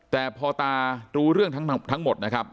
แต่พอตารู้เรื่องทั้งหมดนะครับ